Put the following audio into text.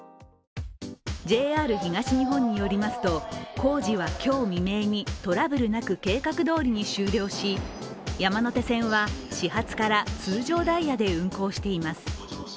ＪＲ東日本によりますと、工事は今日未明にトラブルなく計画どおりに終了し山手線は始発から通常ダイヤで運行しています。